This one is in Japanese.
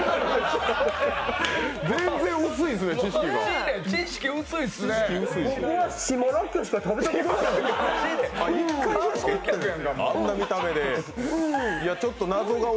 全然薄いですね、知識が。